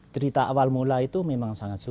kalau cerita awal mula itu memang sangat menarik